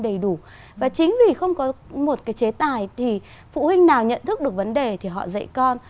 đầy đủ và chính vì không có một cái chế tài thì phụ huynh nào nhận thức được vấn đề thì họ dạy con